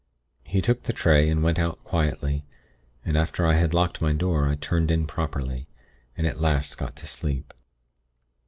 He took the tray, and went out quietly, and after I had locked my door I turned in properly, and at last got to sleep.